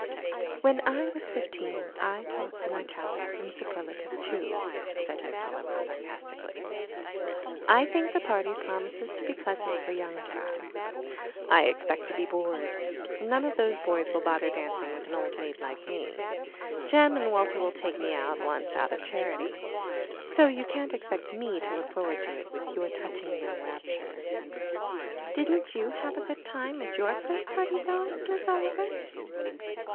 "When I was fifteen I talked in italics and superlatives too," said Miss Oliver sarcastically. "I think the party promises to be pleasant for young fry. I expect to be bored. None of those boys will bother dancing with an old maid like me. Jem and Walter will take me out once out of charity. So you can't expect me to look forward to it with your touching young rapture." "Didn't you have a good time at your first party, though, Miss Oliver?"